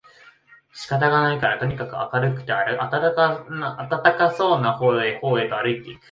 仕方がないからとにかく明るくて暖かそうな方へ方へとあるいて行く